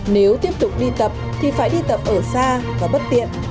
nếu tiếp tục đi tập thì phải đi tập ở xa và bất tiện